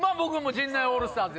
陣内オールスターズ！